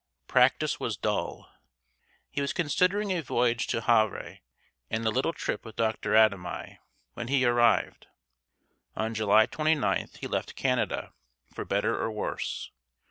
Practice was dull. He was considering a voyage to Havre and "a little trip with Dr. Adami" when he arrived. On July 29th, he left Canada "for better or worse.